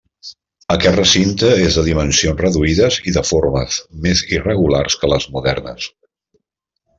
Aquest recinte és de dimensions reduïdes i de formes més irregulars que les modernes.